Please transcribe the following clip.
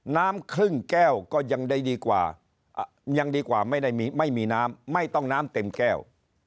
น้ำครึ่งแก้วก็ยังได้ดีกว่ายังดีกว่าไม่มีน้ำไม่ต้องน้ำเต็มแก้ว